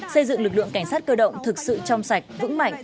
xây dựng lực lượng cảnh sát cơ động thực sự trong sạch vững mạnh